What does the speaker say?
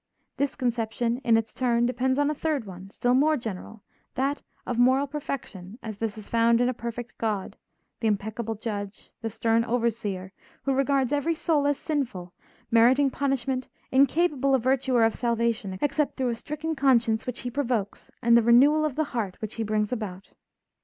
This conception, in its turn, depends on a third one, still more general, that of moral perfection as this is found in a perfect God, the impeccable judge, the stern overseer, who regards every soul as sinful, meriting punishment, incapable of virtue or of salvation, except through a stricken conscience which He provokes and the renewal of the heart which He brings about.